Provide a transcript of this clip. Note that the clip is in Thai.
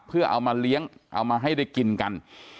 เพื่อเอามาเลี้ยงเอามาให้ได้กินกัน